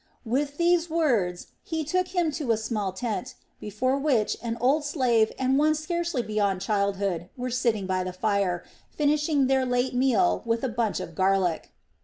With these words he took him to a small tent, before which an old slave and one scarcely beyond childhood were sitting by the fire, finishing their late meal with a bunch of garlic.